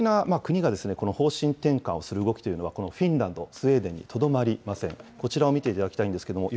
さあ、その中立的な国が、この方針転換をする動きというのは、フィンランド、スウェーデンにとどまりません。